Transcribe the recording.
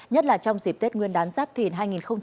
nhất là trong dịp tết nguyên đán giáp thìn